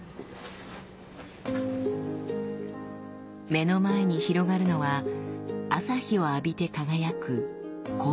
目の前に広がるのは朝日を浴びて輝くコオラウ山脈。